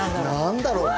何だろう？